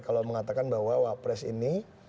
kalau mengatakan bahwa wapres ini